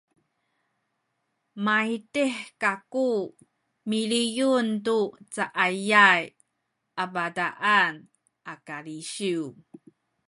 maydih kaku miliyun tu cacayay a bataan a kalisiw